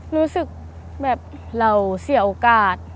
รู้สึกแบบเราเสียโอกาส